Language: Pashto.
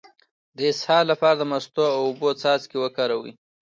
د اسهال لپاره د مستو او اوبو څاڅکي وکاروئ